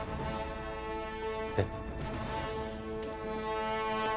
えっ？